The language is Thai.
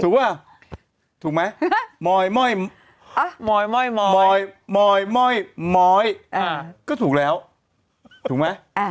ถูกว่าถูกไหมหมอยหมอยหมอยหมอยหมอยหมอยหมอยก็ถูกแล้วถูกไหม